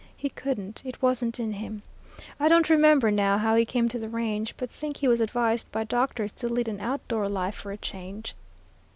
He couldn't; it wasn't in him. I don't remember now how he came to the range, but think he was advised by doctors to lead an outdoor life for a change.